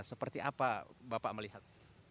seperti apa bapak melihat